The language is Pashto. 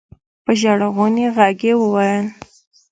په ژړغوني غږ يې وويل.